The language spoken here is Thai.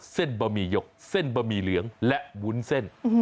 บะหมี่หยกเส้นบะหมี่เหลืองและวุ้นเส้น